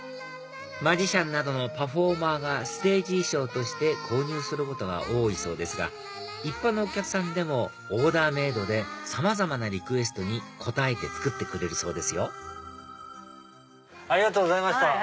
マジシャンなどのパフォーマーがステージ衣装として購入することが多いそうですが一般のお客さんでもオーダーメイドでさまざまなリクエストに応えて作ってくれるそうですよありがとうございました